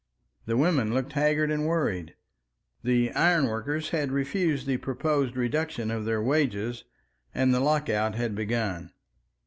The women looked haggard and worried. The ironworkers had refused the proposed reduction of their wages, and the lockout had begun.